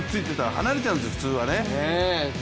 離れちゃうんですよ、普通はね。